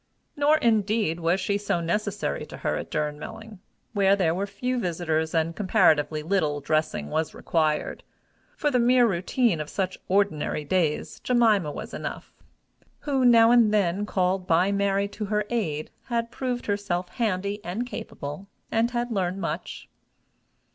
Nor, indeed, was she so necessary to her at Durnmelling, where there were few visitors, and comparatively little dressing was required: for the mere routine of such ordinary days, Jemima was enough, who, now and then called by Mary to her aid, had proved herself handy and capable, and had learned much.